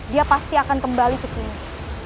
dia akan kembali ke dangerous